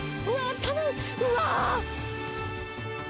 うわ。